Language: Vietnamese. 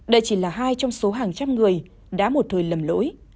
đây chỉ là hai trong số hàng trăm người đã một thời lầm lỗi